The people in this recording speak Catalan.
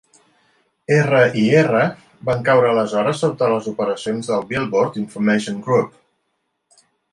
R i R van caure aleshores sota les operacions del Billboard Information Group.